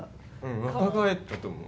若返ったと思う。